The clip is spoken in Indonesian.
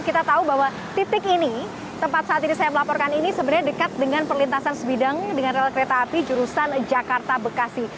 kita tahu bahwa titik ini tempat saat ini saya melaporkan ini sebenarnya dekat dengan perlintasan sebidang dengan rel kereta api jurusan jakarta bekasi